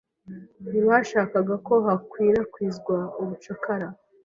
Ntibashakaga ko hakwirakwizwa ubucakara.